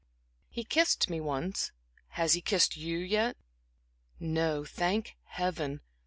"He kissed me once. Has he kissed you yet?" No, thank Heaven!